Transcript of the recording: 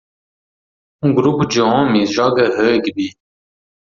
Um grupo de homens joga rugby.